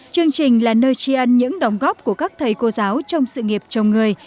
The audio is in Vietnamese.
chương trình là nơi tri ân những đóng góp của các thầy cô giáo trong sự nghiệp chồng người